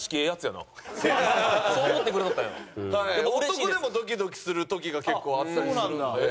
男でもドキドキする時が結構あったりするんで。